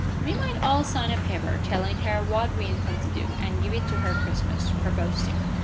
"We might all sign a paper, telling her what we intend to do, and give it to her Christmas," proposed Tim.